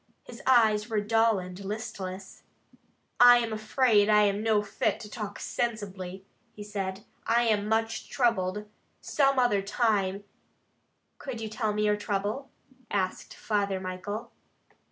His eyes were dull and listless. "I am afraid I am no fit to talk sensibly," he said. "I am much troubled. Some other time " "Could you tell me your trouble?" asked Father Michael.